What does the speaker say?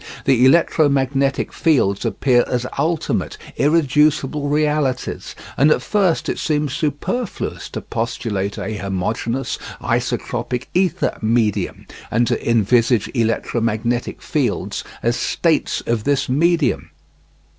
The electromagnetic fields appear as ultimate, irreducible realities, and at first it seems superfluous to postulate a homogeneous, isotropic ether medium, and to envisage electromagnetic fields as states of this medium.